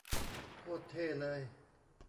โคตรเท่เลย